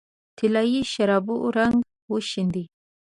د طلايي شرابو رنګ وشیندې